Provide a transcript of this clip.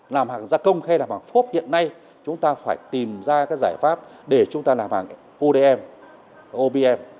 làm hàng gia công hay làm hàng phốp hiện nay chúng ta phải tìm ra cái giải pháp để chúng ta làm hàng odm